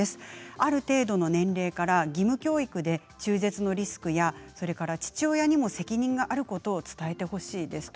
ある程度の年齢から義務教育で中絶のリスク父親にも責任があることを伝えてほしいですと。